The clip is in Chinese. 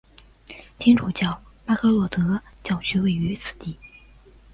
天主教巴科洛德教区位于此地。